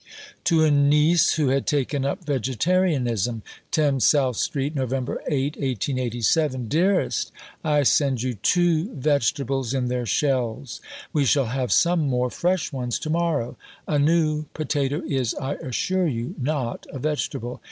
(To a niece who had taken up vegetarianism.) 10 SOUTH STREET, Nov. 8 . DEAREST I send you two "vegetables" in their shells. We shall have some more fresh ones to morrow. A new potato is, I assure you, not a vegetable.